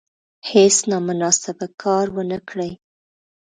هیڅ نامناسب کار ونه کړي.